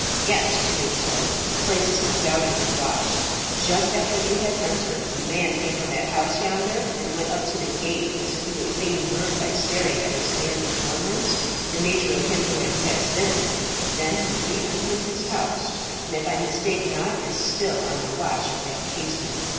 "Yes," Cnut said, "the place is undoubtedly watched. Just after you had entered, a man came from that house yonder and went up to the gate, as if he would fain learn by staring at its iron adornments the nature of him who had passed in. Then he re entered his house, and if I mistake not is still on the watch at that casement.